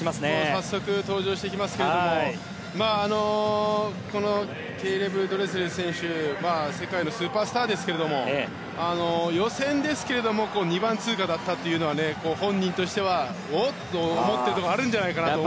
早速登場してきますけどケイレブ・ドレセル選手は世界のスーパースターですが予選ですけれども２番通過だったというのは本人としてはおっ？と思っているところがあるんじゃないかと。